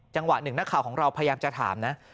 จังหวะหนึ่งนักข่าวของเราพยายามจะถามนะ